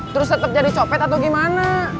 terus tetap jadi copet atau gimana